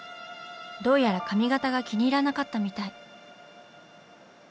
どうやら髪型が気に入らなかったみたい。